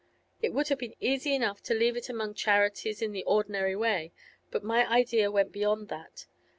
It would have been easy enough to leave it among charities in the ordinary way; but my idea went beyond that.